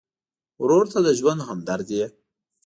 ورور ته د ژوند همدرد یې.